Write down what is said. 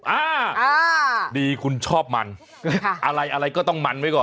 อ่าดีคุณชอบมันอะไรอะไรก็ต้องมันไว้ก่อน